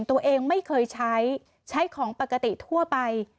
ตัวเองไม่เคยใช้ใช้ของปกติทั่วไป